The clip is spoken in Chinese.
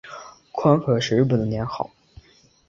宽和是日本的年号。